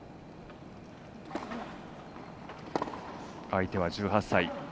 相手は１８歳。